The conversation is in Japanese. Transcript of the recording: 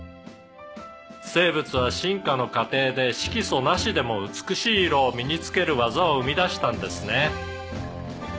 「生物は進化の過程で色素なしでも美しい色を身につける技を生み出したんですね」